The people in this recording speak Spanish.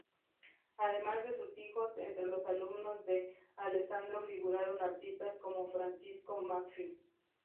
Además de sus hijos, entre los alumnos de Alessandro figuraron artistas como Francesco Maffei.